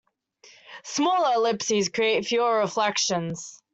Smaller ellipses create fewer reflections.